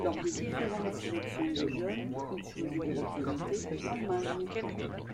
Lors des différentes sélections de jeunes, il choisit de représenter l'Allemagne.